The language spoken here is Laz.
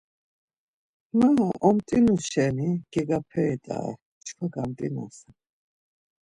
Mara omt̆inuşeti gegaperi t̆are çkva, gamt̆inasen.